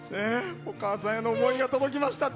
お母さんへの思いが届きました。